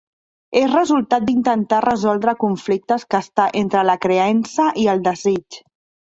És resultat d'intentar resoldre conflictes que està entre la creença i el desig.